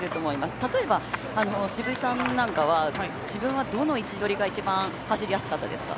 例えば渋井さんなんかは自分はどの位置取りが一番走りやすかったですか？